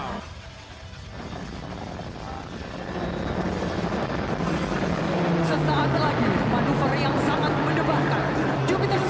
lagi manuver yang sangat mendebarkan jupiter enam